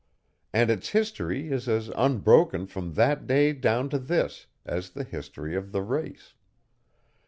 And its history is as unbroken from that day down to this, as the history of the race.